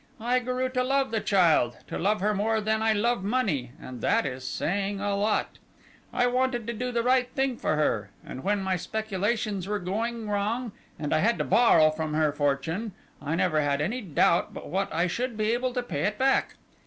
I grew to love the child, to love her more than I love money, and that is saying a lot. I wanted to do the right thing for her, and when my speculations were going wrong and I had to borrow from her fortune I never had any doubt but what I should be able to pay it back.